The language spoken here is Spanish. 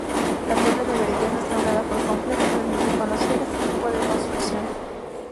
La "torre de Verger", restaurada por completo, permite conocer este tipo de construcción.